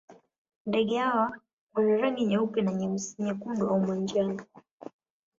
Ndege hawa wana rangi nyeupe na nyeusi, nyekundu au ya manjano.